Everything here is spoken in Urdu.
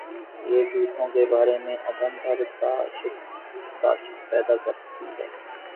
یہ دوسروں کے بارے میں عدم بر داشت پیدا کر تی ہے۔